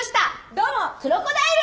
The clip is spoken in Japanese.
どうもクロコダイル！